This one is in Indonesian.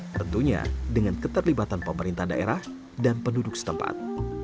tentunya dengan keterlibatan pemerintah daerah dan penduduk setempat